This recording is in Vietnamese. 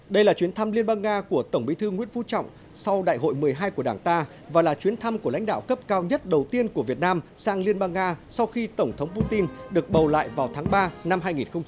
đây là chuyến thăm liên bang nga của tổng bí thư nguyễn phú trọng sau đại hội một mươi hai của đảng ta và là chuyến thăm của lãnh đạo cấp cao nhất đầu tiên của việt nam sang liên bang nga sau khi tổng thống putin được bầu lại vào tháng ba năm hai nghìn hai mươi